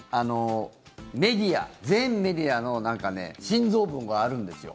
メディア、全メディアの心臓部があるんですよ。